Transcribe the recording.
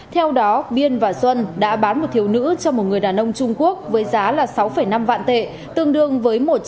theo đó biên và xuân đã bán một thiếu nữ cho một người đàn ông trung quốc với giá sáu năm vạn tệ tương đương với một trăm chín mươi năm triệu đồng